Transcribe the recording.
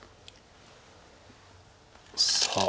さあ。